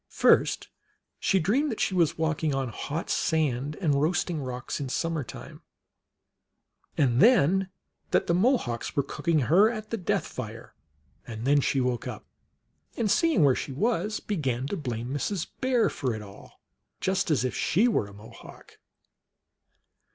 First she dreamed that she was walking on hot sand and roast ing rocks in summer time, and then that the Mohawks were cooking her at the death fire ; and then she woke 176 THE ALGONQUIN LEGENDS. up, and, seeing where she was, began to blame Mrs. Bear for it all, just as if she were a Mohawk.